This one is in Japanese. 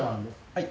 はい。